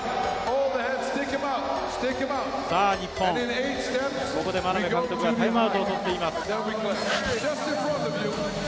日本、ここで眞鍋監督がタイムアウトを取っています。